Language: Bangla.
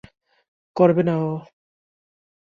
করবে না ও।